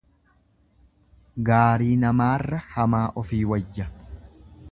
Gaarii namaarra hamaa ofii wayya.